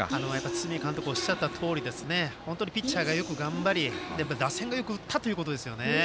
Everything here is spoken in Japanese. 堤監督おっしゃったように本当にピッチャーがよく頑張り打線がよく打ったということですね。